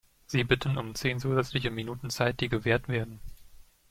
Sie bitten um zehn zusätzliche Minuten Zeit, die gewährt werden.